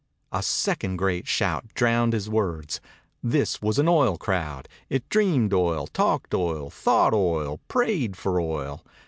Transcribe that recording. A second great shout drowned his words. This was an oil crowd. It dreamed oil, talked oil, thought oil, prayed for oil.